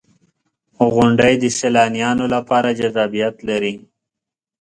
• غونډۍ د سیلانیانو لپاره جذابیت لري.